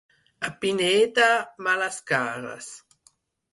A Pineda, males cares.